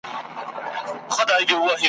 چي پوستين له منځه ووتى جنگ سوړ سو `